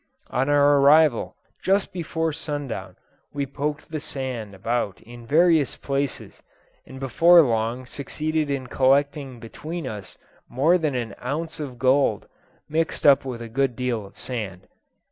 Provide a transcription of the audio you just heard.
On our arrival, just before sundown, we poked the sand about in various places, and before long succeeded in collecting between us more than an ounce of gold, mixed up with a good deal of sand.